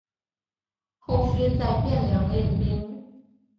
后在汴梁练兵。